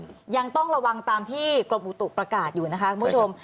เพราะฉะนั้นยังต้องระวังตามที่กรมฐุประกาศอยู่นะคะคุณผู้ชม